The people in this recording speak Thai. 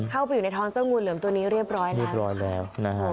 เข้าไปไก่ท้องเจ้าคนเหลือมตัวนี้เรียบร้อยแล้ว